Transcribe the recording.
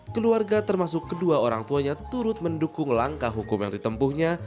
keluarga termasuk kedua orang tuanya turut mendukung langkah hukum yang ditempuhnya